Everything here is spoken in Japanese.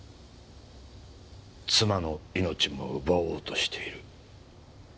妻の命も奪おうとしている。